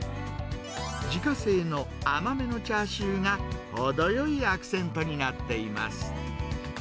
自家製の甘めのチャーシューが程よいアクセントになっています。